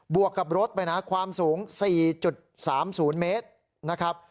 วกกับรถไปนะความสูง๔๓๐เมตรนะครับ